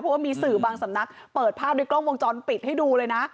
เพราะว่ามีสื่อบางสำนักเปิดภาพในกล้องวงจรปิดให้ดูเลยนะ